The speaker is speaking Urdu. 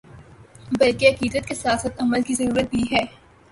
بلکہ عقیدت کے ساتھ ساتھ عمل کی ضرورت بھی ہے ۔